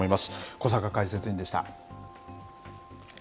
小坂解説委員でした。